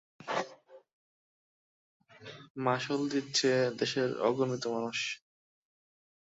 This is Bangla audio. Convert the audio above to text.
মাশুল দিচ্ছে দেশের অগণিত মানুষ।